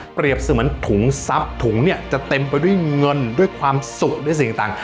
เสมือนถุงทรัพย์ถุงเนี่ยจะเต็มไปด้วยเงินด้วยความสุขด้วยสิ่งต่าง